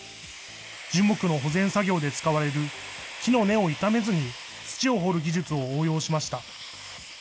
樹木の保全作業で使われる木の根を傷めずに土を掘る技術を応用しました。